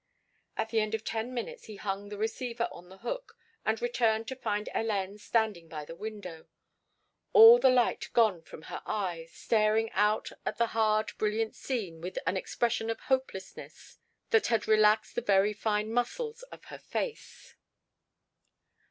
At the end of ten minutes he hung the receiver on the hook and returned to find Hélène standing by the window, all the light gone from her eyes, staring out at the hard brilliant scene with an expression of hopelessness that had relaxed the very muscles of her face.